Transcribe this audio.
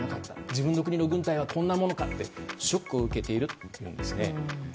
自分の国の軍隊はこんなものかとショックを受けているというんです。